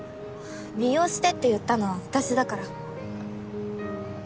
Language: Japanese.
利用してって言ったのは私だから。